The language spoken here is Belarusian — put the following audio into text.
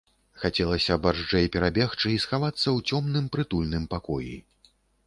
Хацелася барзджэй перабегчы і схавацца ў цёмным прытульным пакоі.